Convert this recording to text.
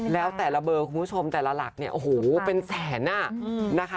แล้วแต่ละเบอร์คุณผู้ชมแต่ละหลักเนี่ยโอ้โหเป็นแสนอ่ะนะคะ